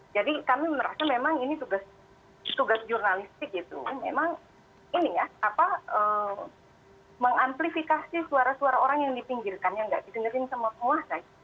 jadi kami merasa memang ini tugas jurnalistik gitu memang ini ya mengamplifikasi suara suara orang yang dipinggirkan yang tidak didengarkan oleh semua